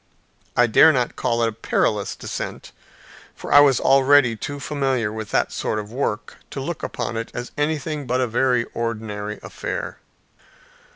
I dare not call it a perilous descent, for I was already too familiar with that sort of work to look upon it as anything but a very ordinary affair.